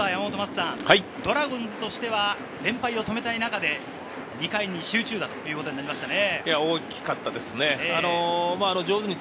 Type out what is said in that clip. ドラゴンズとしては連敗を止めたい中で、２回に集中打となりましたね。